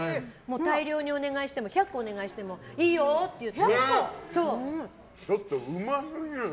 大量にお願いしても１００個お願いしてもちょっとうますぎるな。